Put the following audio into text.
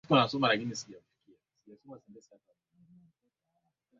ulikuwa naami mtayarishaji na msimamizi wako karuma sangamwe